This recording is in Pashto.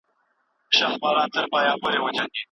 هغه به سبا خپل نوي دلایل وړاندې کوي.